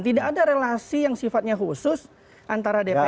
tidak ada relasi yang sifatnya khusus antara dpr dan komisi tiga